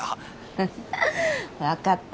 フフッわかった。